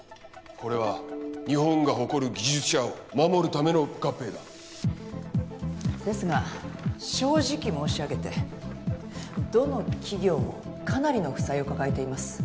これは日本が誇る技術者を守るための合併ですが正直申し上げてどの企業もかなりの負債を抱えています。